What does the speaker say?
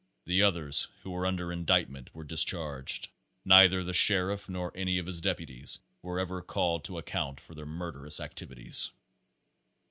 The others who were under indictment were discharged. Neither the sheriff nor any of his deputies were ever called to account for their murderous activities.